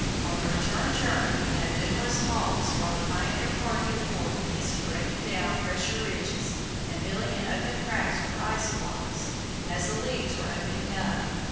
On the return journey we had numerous halts while the pioneer party of four were busy breaking down pressure ridges and filling in open cracks with ice blocks, as the leads were opening up.